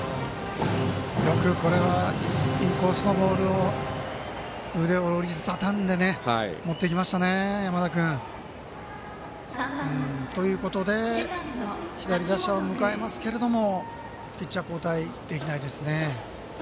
よくこれはインコースのボールを腕を折りたたんで持っていきましたね、山田君。ということで左打者を迎えますけれどもピッチャー交代できないですね。